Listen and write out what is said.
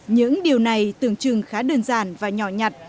những điều này tưởng chừng khá đơn giản và nhỏ nhặt